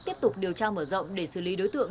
tiếp tục điều tra mở rộng để xử lý đối tượng